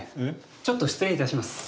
ちょっと失礼いたします。